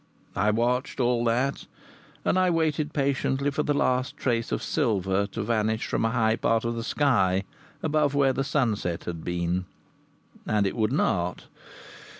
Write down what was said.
I watched all that, and I waited patiently for the last trace of silver to vanish from a high part of the sky above where the sunset had been and it would not.